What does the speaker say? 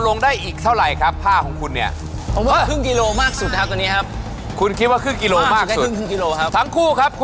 ตอนนี้ห่างกัน๑กิโลนะครับ